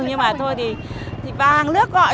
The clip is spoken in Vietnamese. nhưng mà thôi thì vào hàng nước gọi